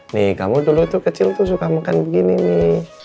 nih kamu dulu itu kecil tuh suka makan begini nih